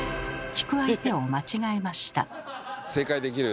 聞く相手を間違えました。